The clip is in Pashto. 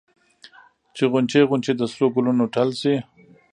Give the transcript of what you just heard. چې غونچې غونچې د سرو ګلونو ټل شي